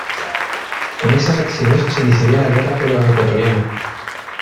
Con estas acciones, se iniciaría la guerra peruano-ecuatoriana.